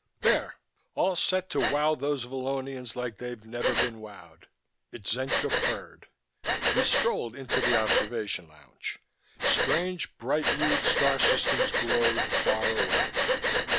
"There. All set to wow those Vallonians like they've never been wowed." Itzenca purred. We strolled into the observation lounge. Strange bright hued star systems glowed far away.